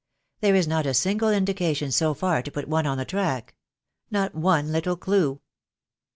There is not a single indication so far to put one on the track — not one little clue."